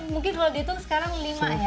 mungkin kalau dihitung sekarang lima ya